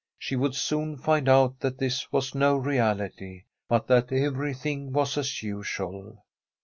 She would soon find out that this was no reality, but that everything was as usual.